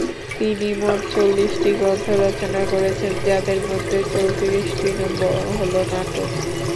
তিনি মোট চল্লিশটি গ্রন্থ রচনা করেছেন, যাদের মধ্যে চৌত্রিশটি হলো নাটক।